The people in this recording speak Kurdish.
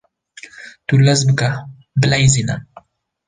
Tu lez bike bilezîne